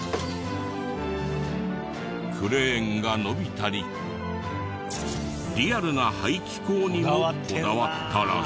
クレーンが伸びたりリアルな排気口にもこだわったらしい。